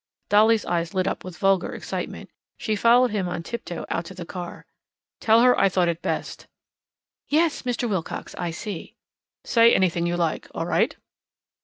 Dolly's eyes lit up with vulgar excitement. She followed him on tip toe out to the car. "Tell her I thought it best." "Yes, Mr. Wilcox, I see." "Say anything you like. All right."